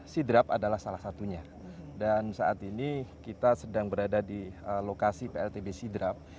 sidrap adalah salah satunya dan saat ini kita sedang berada di lokasi pltb sidrap